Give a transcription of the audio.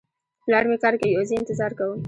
پلار مې کار کوي او زه یې انتظار کوم